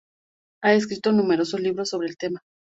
Ha escrito numerosos libros sobre el tema.